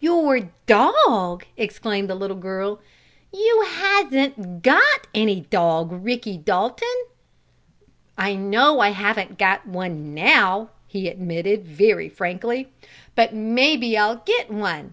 "Your dog!" exclaimed the little girl. "You hasn't got any dog, Ricky Dalton!" "I know I haven't got one now!" he admitted, very frankly. "But maybe I'll get one.